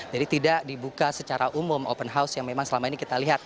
jadi tidak dibuka secara umum open house yang memang selama ini kita lihat